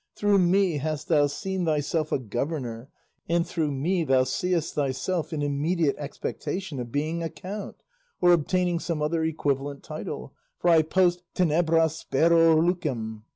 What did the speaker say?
Through me hast thou seen thyself a governor, and through me thou seest thyself in immediate expectation of being a count, or obtaining some other equivalent title, for I post tenebras spero lucem."